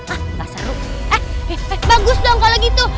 ah nggak seru eh bagus dong kalau gitu